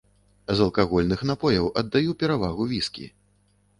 З алкагольных напояў аддаю перавагу віскі.